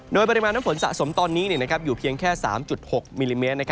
โดยปริมาณน้ำฝนสะสมตอนนี้อยู่เพียงแค่๓๖มิลลิเมตร